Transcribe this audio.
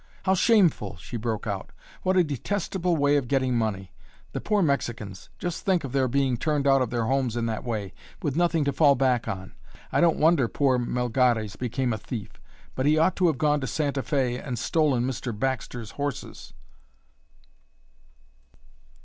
"How shameful!" she broke out. "What a detestable way of getting money! The poor Mexicans! Just think of their being turned out of their homes in that way, with nothing to fall back on! I don't wonder poor Melgares became a thief but he ought to have gone to Santa Fe and stolen Mr. Baxter's horses!"